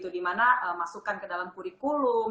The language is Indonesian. dimana masukkan ke dalam kurikulum